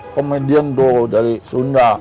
komedian tuh dari sunda